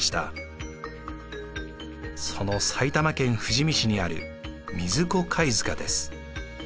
その埼玉県富士見市にある水子貝塚です。